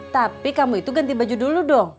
tapi kamu itu ganti baju dulu dong